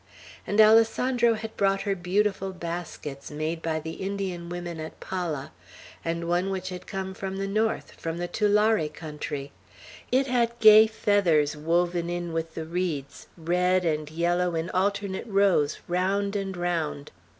And Alessandro had brought her beautiful baskets, made by the Indian women at Pala, and one which had come from the North, from the Tulare country; it had gay feathers woven in with the reeds, red and yellow, in alternate rows, round and round.